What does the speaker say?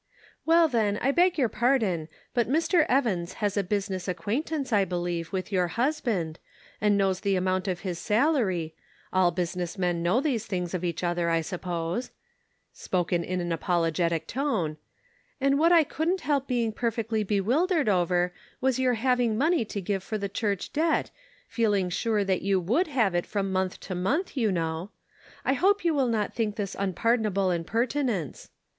"Well, then, I beg your pardon, but Mr. Evans has a business acquaintance I believe with your husband, and knows the amount of his salary — all business men know those things of each other, I suppose "— spoken in an apologetic tone —" and what I couldn't help being perfectly bewildered over was your having money to give for the church debt, feeling sure that you would have it from month 136 The Pocket Measure. to month, you know ! I hope you will not think this unpardonable impertinence."